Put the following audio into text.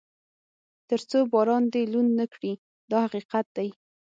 تر څو باران دې لوند نه کړي دا حقیقت دی.